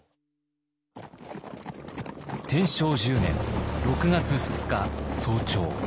天正１０年６月２日早朝。